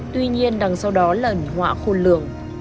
tuy nhiên đằng sau đó là ẩn họa khôn lượng